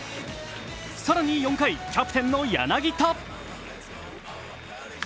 更に４回、キャプテンの柳田。